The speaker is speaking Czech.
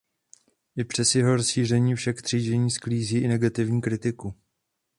I přes jeho rozšíření však třídění sklízí i negativní kritiku.